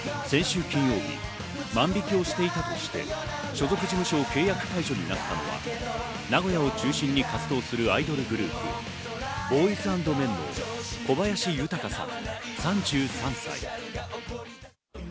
先週金曜日、万引をしていたとして所属事務所を契約解除になったのは名古屋を中心に活動するアイドルグループ、ＢＯＹＳＡＮＤＭＥＮの小林豊さん、３３歳。